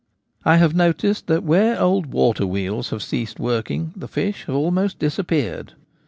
I have noticed that where old water wheels have ceased working the fish have almost disappeared.